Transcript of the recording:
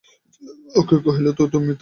অক্ষয় কহিল, ভাই, তুমি মিথ্যা রাগ করিতেছ।